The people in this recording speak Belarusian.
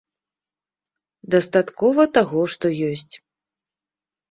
Дастаткова таго, што ёсць.